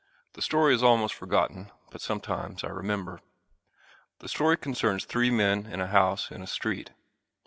The story is almost forgotten but sometimes I remember. The story concerns three men in a house in a street.